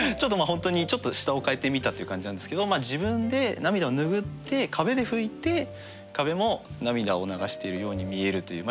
本当にちょっと下を変えてみたっていう感じなんですけど自分で涙を拭って壁で拭いて壁も涙を流しているように見えるという。